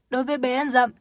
đối với bé ăn rậm